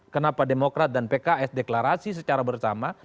kenapa demokrat dan pks deklarasi secara bersama